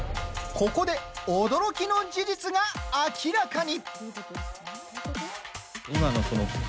ここで、驚きの事実が明らかに。